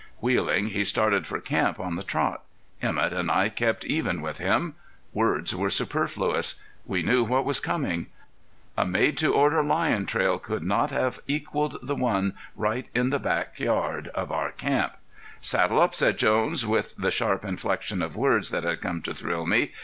Wheeling, he started for camp on the trot. Emett and I kept even with him. Words were superfluous. We knew what was coming. A made to order lion trail could not have equalled the one right in the back yard of our camp. "Saddle up!" said Jones, with the sharp inflection of words that had come to thrill me.